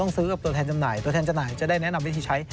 ซื้อกับตัวแทนจำหน่ายตัวแทนจำหน่ายจะได้แนะนำวิธีใช้